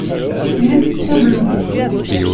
L’une prouve l’autre.